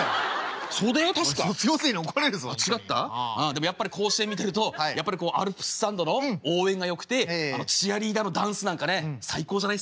でもやっぱり甲子園見てるとアルプススタンドの応援がよくてチアリーダーのダンスなんかね最高じゃないですか。